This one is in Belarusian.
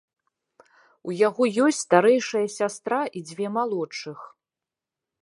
У яго ёсць старэйшая сястра і дзве малодшых.